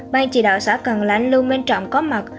bang tri đạo xã cần lãnh luôn bên trọng có mặt